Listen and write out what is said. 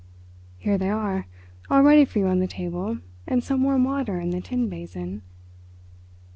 "Here they are—all ready for you on the table, and some warm water in the tin basin.